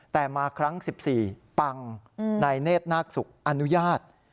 แต่มาครั้ง๑๔ปังนายเนธนาคศุกร์อนุญาต